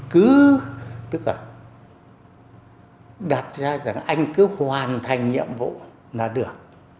cứ đặt ra rằng anh cứ hoàn thành nhiệm vụ là được